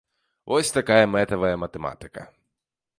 Вось такая мэтавая матэматыка.